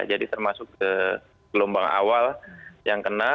jadi termasuk gelombang awal yang kena